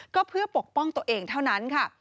ก็เพื่อปกป้องตัวเองเท่านั้นค่ะ